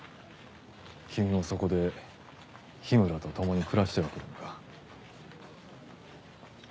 君もそこで緋村と共に暮らしてはくれんか？